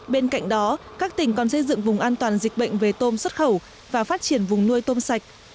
bên cạnh đó các tỉnh còn xây dựng vùng an toàn dịch bệnh về tôm xuất khẩu và phát triển vùng nuôi tôm sạch